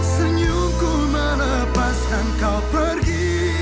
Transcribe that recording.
senyumku melepaskan kau pergi